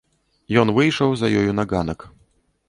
Ён выйшаў за ёю на ганак.